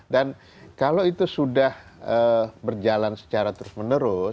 dan kalau itu sudah berjalan secara terus menerus